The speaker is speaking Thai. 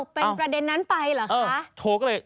เป็นประเด็นนั้นไปเหรอคะ